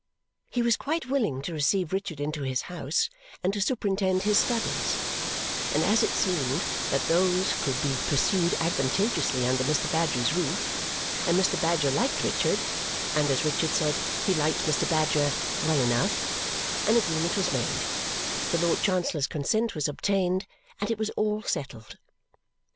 He was quite willing to receive Richard into his house and to superintend his studies, and as it seemed that those could be pursued advantageously under Mr. Badger's roof, and Mr. Badger liked Richard, and as Richard said he liked Mr. Badger "well enough," an agreement was made, the Lord Chancellor's consent was obtained, and it was all settled.